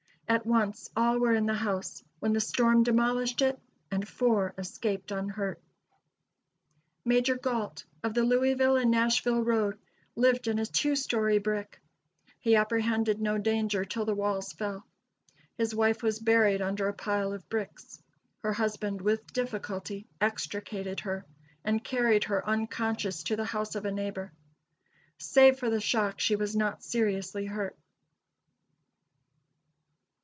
At once all were in the house, when the storm demolished it, and four escaped unhurt. Major Galt, of the Louisville and Nashville Road, lived in a two story brick. He apprehended no danger till the walls fell. His wife was buried under a pile of bricks. Her husband with difficulty extricated her, and carried her unconscious to the house of a neighbor. Save for the shock, she was not seriously hurt.